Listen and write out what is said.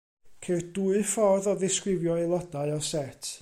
Ceir dwy ffordd o ddisgrifio aelodau o set.